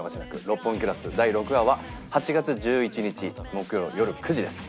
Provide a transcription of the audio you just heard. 『六本木クラス』第６話は８月１１日木曜よる９時です。